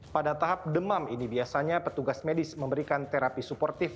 pada tahap demam ini biasanya petugas medis memberikan terapi suportif